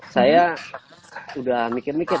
saya sudah mikir mikir